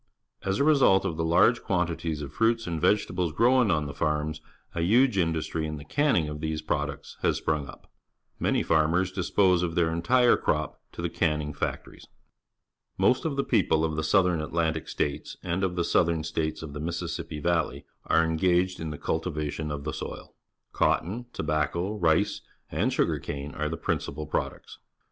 As a result of the large quantities of fruits and vegetables grown on the farms, a huge industry in the canning of these products has sprung up. Many farmers dispose of their entire crop to the canning factories. Most of the people of the South Atlantic States and of the Southern States of the Mis sissippi Valley are engaged in the cultivation of the soU. Cotton, tobacco, rice, and sugar cane_are the principal products.